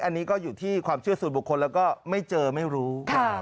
อันนี้ก็อยู่ที่ความเชื่อส่วนบุคคลแล้วก็ไม่เจอไม่รู้